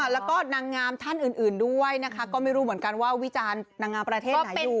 แล้วก็นางงามท่านอื่นด้วยนะคะก็ไม่รู้เหมือนกันว่าวิจารณ์นางงามประเทศไหนอยู่